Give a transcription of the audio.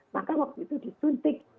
maka waktu itu disuntik